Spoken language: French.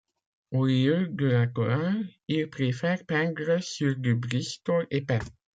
Au lieu de la toile, il préfère peindre sur du bristol épais.